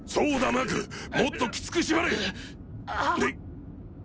マークもっときつくしばれ！